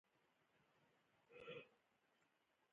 • صادق سړی د خلکو باور خپلوي.